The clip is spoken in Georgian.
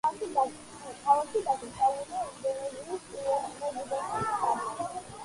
ქალაქი დაკრძალულია ინდონეზიის პირველი პრეზიდენტი სუკარნო.